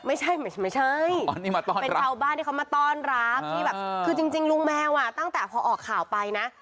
ไม่ใช่เป็นเฉาบ้านที่เขามาต้อนรับคือจริงโลงแมวตั้งแต่พอออกข่าวไปนะ